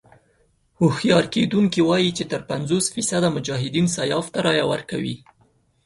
هوښیار کتونکي وايي چې تر پينځوس فيصده مجاهدين سیاف ته رايه ورکوي.